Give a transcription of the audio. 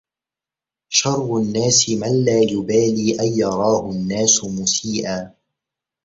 شَرُّ النَّاسِ مَنْ لَا يُبَالِي أَنْ يَرَاهُ النَّاسُ مُسِيئًا